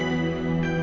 ya sayang yuk